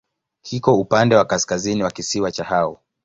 Kiko upande wa kaskazini wa kisiwa cha Hao.